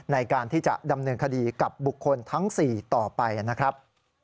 ในการที่จะดำเนินคดีกับบุคคลทั้ง๔ต่อไปนะครับ